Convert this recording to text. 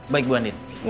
baik bu anin